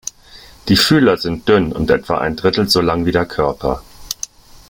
Die Fühler sind dünn und etwa ein Drittel so lang wie der Körper.